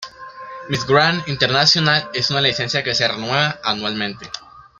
Miss Grand Internacional es una licencia que se renueva anualmente.